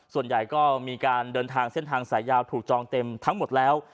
ส่วนใหญ่ก็มีการเดินทางเส้นทางสายยาวถูกจองเต็มทั้งหมดแล้ว